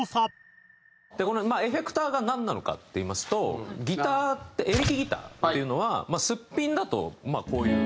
このエフェクターがなんなのかっていいますとギターってエレキギターっていうのはすっぴんだとまあこういう。